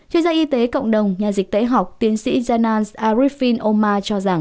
chuyên gia y tế cộng đồng nhà dịch tễ học tiến sĩ janans arifin omar cho rằng